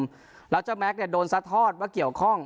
เพราะว่าเจ้าแม็กซ์โดนซัดทอดว่าเกี่ยวข้อง